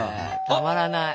たまらない。